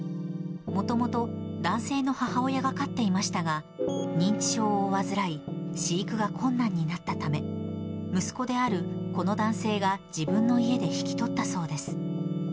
もともと、男性の母親が飼っていましたが、認知症を患い、飼育が困難になったため、息子であるこの男性が自分の家で引き取ったそうです。